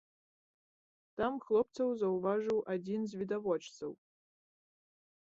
Там хлопцаў заўважыў адзін з відавочцаў.